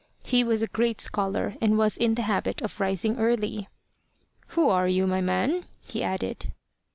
He was a great scholar, and was in the habit of rising early. "Who are you, my man?" he added.